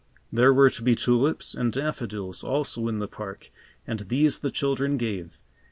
There were to be tulips and daffodils also in the park and these the children gave.